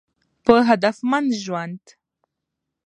په هدفمند ژوند